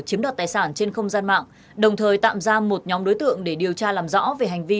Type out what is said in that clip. chiếm đoạt tài sản trên không gian mạng đồng thời tạm giam một nhóm đối tượng để điều tra làm rõ về hành vi